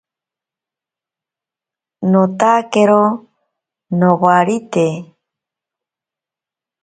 Notakero nowarite.